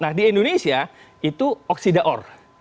nah di indonesia itu oksida or